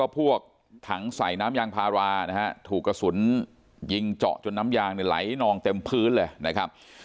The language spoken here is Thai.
พวกถังใส่น้ำยางพารานะฮะถูกกระสุนยิงเจาะจนน้ำยางไหลนองเต็มพื้นเลยนะครับ